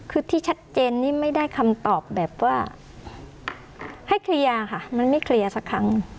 คือที่ชัดเจนนี่ไม่ได้คำตอบแบบว่าให้เคลียร์ค่ะมันไม่เคลียร์สักครั้ง